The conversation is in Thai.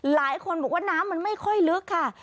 หลายคนบอกว่าน้ำมันไม่ค่อยลึกค่ะ